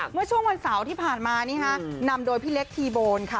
เมื่อช่วงวันเสาร์ที่ผ่านมานี่ค่ะนำโดยพี่เล็กทีโบนค่ะ